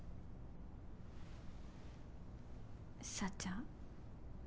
幸ちゃん。